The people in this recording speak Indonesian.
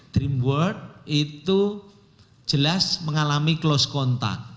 dreamworld itu jelas mengalami close kontak